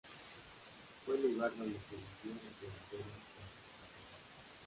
Fue el lugar donde se vivió la primavera franciscana.